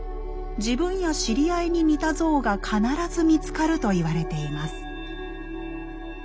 自分や知り合いに似た像が必ず見つかると言われています。